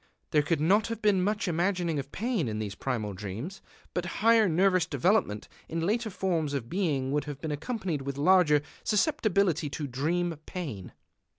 There could not have been much imagining of pain in these primal dreams. But higher nervous development in later forms of being would have been accompanied with larger susceptibility to dream pain.